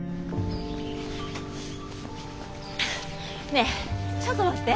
ねえちょっと待って。